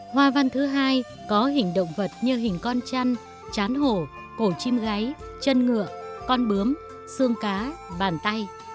hoa văn thứ hai có hình động vật như hình con chăn chán hổ cổ chim gáy chân ngựa con bướm xương cá bàn tay